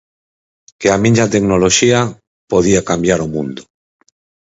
Que a miña tecnoloxía podía cambiar o mundo.